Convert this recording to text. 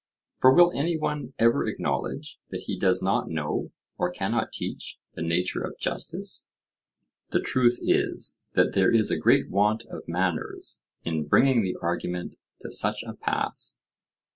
For will any one ever acknowledge that he does not know, or cannot teach, the nature of justice? The truth is, that there is great want of manners in bringing the argument to such a pass.